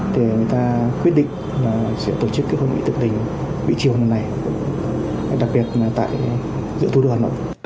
để người ta quyết định sẽ tổ chức hội nghị thượng đỉnh mỹ triều lần này đặc biệt tại giữa thu đoàn